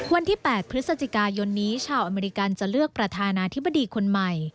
วันที่๘พฤศจิกายนนี้ชาวอเมริกันจะเลือกประธานาธิบดีคนใหม่